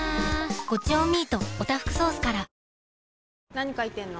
何書いてんの？